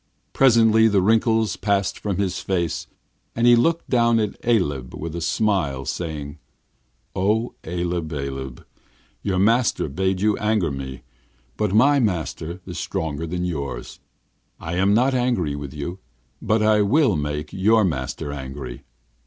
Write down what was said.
Presently the wrinkles passed from his face, and he looked down at Aleb with a smile, saying: 'Oh, Aleb, Aleb! Your master bade you anger me; but my master is stronger than yours. I am not angry with you, but I will make your master angry.